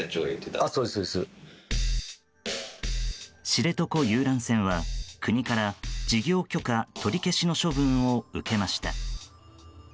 知床遊覧船は、国から事業許可取り消しの処分を受けました。